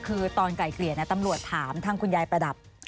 คือตอนไกลเกลี่ยตำรวจถามทางคุณยายประดับ